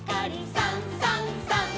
「さんさんさん」